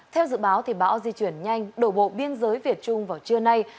theo dự báo bão di chuyển nhanh đổ bộ biên giới việt trung vào trưa nay